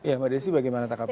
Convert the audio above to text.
ya mbak desi bagaimana tanggapan